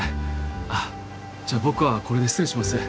あっじゃあ僕はこれで失礼します。